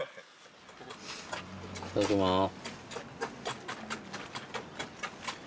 いただきます。